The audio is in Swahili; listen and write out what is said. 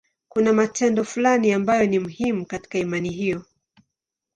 Kuna matendo fulani ambayo ni muhimu katika imani hiyo.